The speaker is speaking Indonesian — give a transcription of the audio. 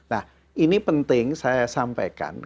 nah ini penting saya sampaikan